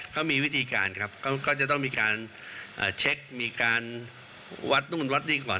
เขามีวิธีการครับก็จะต้องมีการเช็คมีการวัดนู่นวัดนี่ก่อน